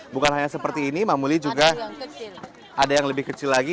bukan hanya seperti ini mamuli juga ada yang lebih kecil lagi